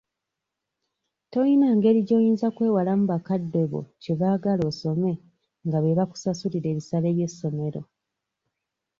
Toyina ngeri gy'oyinza kwewalamu bakadde bo kye baagala osome nga be bakusasulira ebisale ky'essomero.